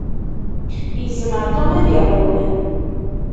Yezmer Tom ad iɛumm.